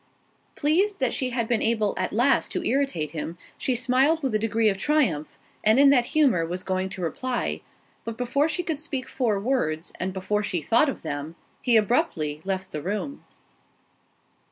Pleased that she had been able at last to irritate him, she smiled with a degree of triumph, and in that humour was going to reply; but before she could speak four words, and before she thought of it, he abruptly left the room.